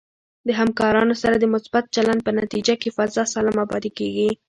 د همکارانو سره د مثبت چلند په نتیجه کې فضا سالمه پاتې کېږي.